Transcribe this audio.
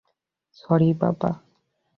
Sorry, বাবা।